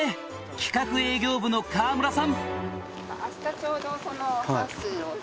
企画営業部の川村さん」